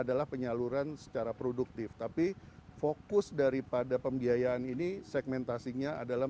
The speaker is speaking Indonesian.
adalah penyaluran secara produktif tapi fokus daripada pembiayaan ini segmentasinya adalah